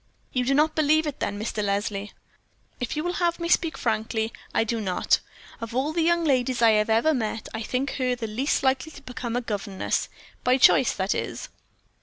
"You do not believe it then, Mr. Leslie?" "If you will have me speak frankly, I do not. Of all the young ladies I have ever met, I think her the least likely to become a governess by choice, that is."